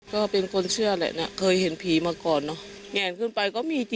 ก็เป็นคนเชื่อแหละนะเคยเห็นผีมาก่อนเนอะแงนขึ้นไปก็มีจริง